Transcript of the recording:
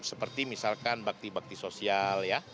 seperti misalkan bakti bakti sosial ya